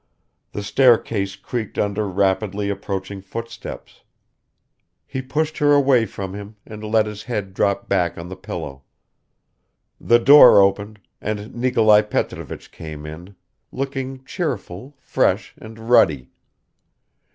The staircase creaked under rapidly approaching footsteps. ... He pushed her away from him and let his head drop back on the pillow. The door opened, and Nikolai Petrovich came in, looking cheerful, fresh and ruddy.